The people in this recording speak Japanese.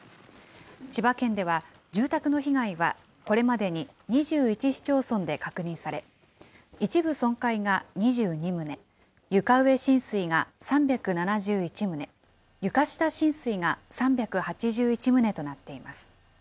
千葉県では、住宅の被害はこれまでに２１市町村で確認され、一部損壊が２２棟、床上浸水が３７１棟、床下浸水が３８１棟となっています。